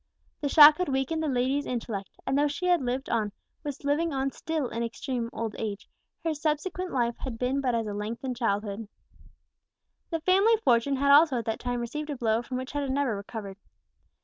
The shock had weakened the lady's intellect; and though she had lived on, was living on still in extreme old age, her subsequent life had been but as a lengthened childhood. The family fortune had also at that time received a blow from which it had never recovered.